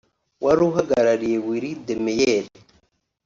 wari uhagarariye Willy Demeyer